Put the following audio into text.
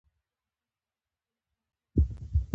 په افغانستان کې د بزګانو تاریخ خورا ډېر اوږد دی.